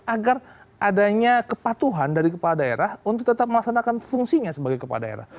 agar adanya kepatuhan dari kepala daerah untuk tetap melaksanakan fungsinya